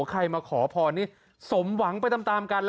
ใครมาขอพรนี่สมหวังไปตามกัน